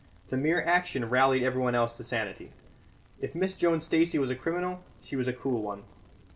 The mere action rallied everyone else to sanity. If Miss Joan Stacey was a criminal, she was a cool one.